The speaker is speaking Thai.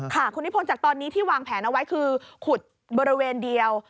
ค่ะคุณนิพนธ์จากตอนนี้ที่วางแผนเอาไว้คือขุดบริเวณเดียว